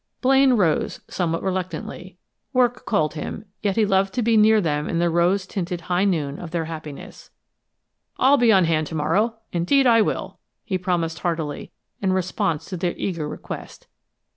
Blaine rose, somewhat reluctantly. Work called him, and yet he loved to be near them in the rose tinted high noon of their happiness. "I'll be on hand to morrow, indeed I will!" he promised heartily, in response to their eager request.